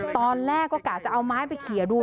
ตอนแรกก็กลับจะเอาไม้ขี่ดู